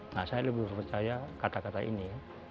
nah saya lebih percaya kata kata ini